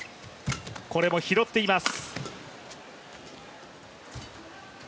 これも拾っています。